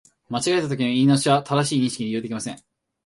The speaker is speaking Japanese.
間違えたときの言い直しは、正しい認識に利用できません